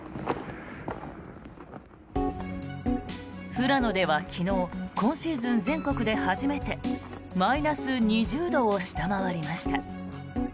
富良野では昨日今シーズン全国で初めてマイナス２０度を下回りました。